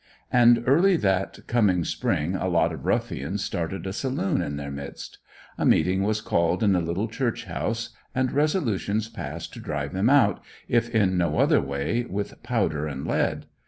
And early that coming spring a lot of ruffians started a saloon in their midst. A meeting was called in the little church house and resolutions passed to drive them out, if in no other way, with powder and lead.